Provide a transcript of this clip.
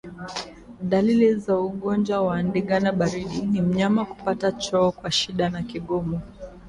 Dalili za ugonjwa wa ndigana baridi ni mnyama kupata choo kwa shida na kigumu